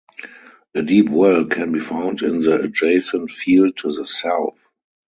A deep well can be found in the adjacent field to the south.